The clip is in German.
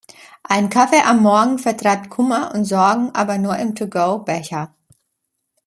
Ein Kaffee am Morgen vertreibt Kummer und Sorgen, aber nur im To-Go Becher.